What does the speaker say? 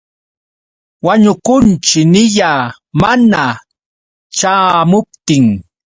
Wañukunćhi niyaa. Mana ćhaamuptin.